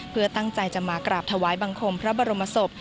เพื่อตั้งใจจะมากราบถวายบังคมพระบรมศพ